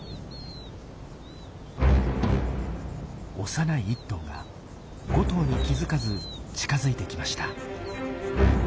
幼い１頭が５頭に気付かず近づいてきました。